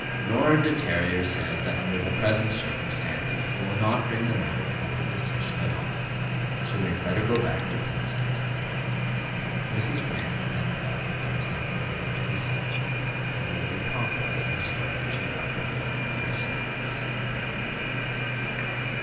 "Lord De Terrier says that under the present circumstances he will not bring the matter forward this session at all. So we had better go back to Plumstead." Mrs. Grantly then felt that there was nothing further to be said, and it will be proper that the historian should drop a veil over their sufferings.